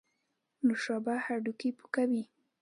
نوشابه هډوکي پوکوي